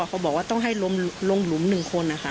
เขาบอกว่าต้องให้ลงหลุม๑คนนะคะ